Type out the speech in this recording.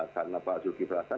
karena pak zulkifri hasan